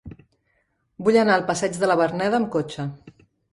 Vull anar al passeig de la Verneda amb cotxe.